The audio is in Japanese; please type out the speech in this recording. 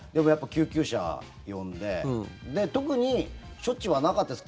救急車呼んでで、特に処置はなかったです。